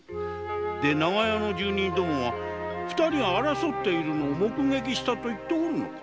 長屋の住民どもは二人が争っているのを目撃したと言っておるのか。